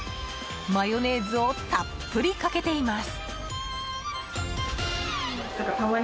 マヨネーズをたっぷりかけています。